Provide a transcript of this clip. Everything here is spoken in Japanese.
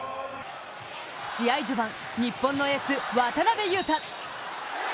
試合序盤、日本のエース・渡邊雄太。